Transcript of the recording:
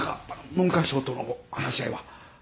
文科省との話し合いは。